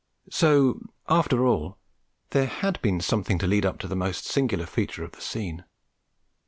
So, after all, there had been something to lead up to the most singular feature of the scene.